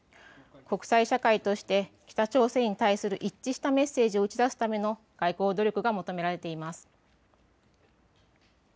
国際社会として北朝鮮に対する一致したメッセージを打ち出すための外交努力が求められています。